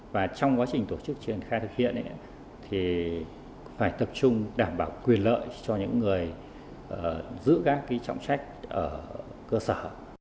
và trong quá trình tổ chức triển khai thực hiện thì phải tập trung đảm bảo quyền lợi cho những người giữ các trọng trách ở cơ sở